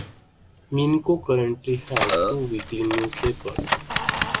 Minco currently has two weekly newspapers.